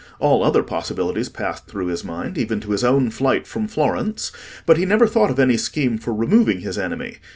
All other possibilities passed through his mind, even to his own flight from Florence; but he never thought of any scheme for removing his enemy.